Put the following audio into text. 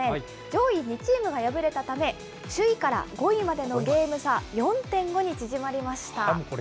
上位２チームが敗れたため、首位から５位までのゲーム差４．５に縮まりました。